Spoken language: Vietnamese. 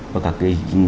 và các cái